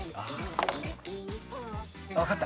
分かった。